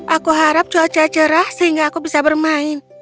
aku harap cuaca cerah sehingga aku bisa bermain